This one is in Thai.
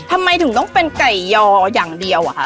ทำไมถึงต้องเป็นไก่ยออย่างเดียวอะคะ